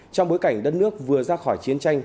trong bối cảnh đất nước vừa ra khỏi chiến tranh